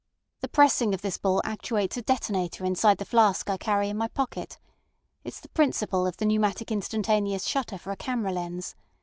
The pressing of this ball actuates a detonator inside the flask I carry in my pocket. It's the principle of the pneumatic instantaneous shutter for a camera lens.